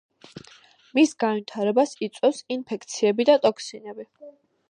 მის განვითარებას იწვევს ინფექციები და ტოქსინები.